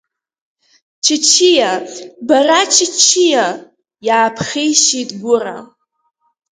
Чычиа, бара Чычиа, иааԥхеишьеит Гәыра.